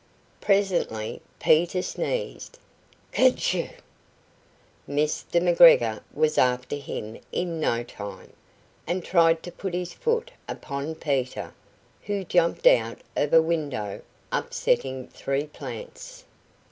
Presently Peter sneezed "Kerty schoo!" Mr. McGregor was after him in no time, and tried to put his foot upon Peter, who jumped out of a window, upsetting three plants.